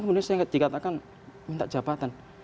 kemudian saya dikatakan minta jabatan